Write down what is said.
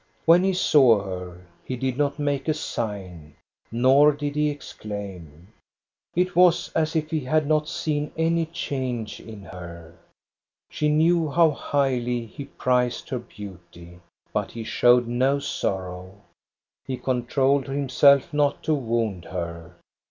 When he saw her, he did not make a sign, nor did he exclaim. It was as if he had not seen any change in her. She knew how highly he prized her beauty. But he showed no sorrow. He controlled himself not to wound her.